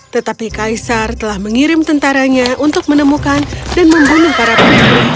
tetapi kaisar telah mengirim tentaranya untuk menemukan dan membunuh para pengikut